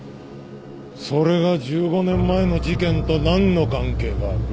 それが１５年前の事件と何の関係がある？